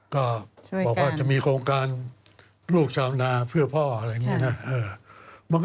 ก็บอกว่าจะมีโครงการลูกชาวนาเพื่อพ่ออะไรอย่างนี้นะ